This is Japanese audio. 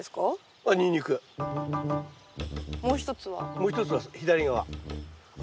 もう一つは左側。